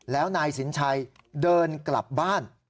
แล้วนายสินชัยเดินกลับบ้าน